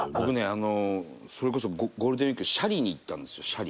あのそれこそゴールデンウィークに斜里に行ったんですよ斜里。